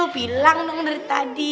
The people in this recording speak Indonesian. bilang dong dari tadi